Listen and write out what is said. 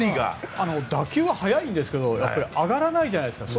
打球は速いんですけど上がらないじゃないですか。